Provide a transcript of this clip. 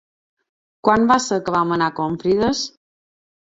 Quan va ser que vam anar a Confrides?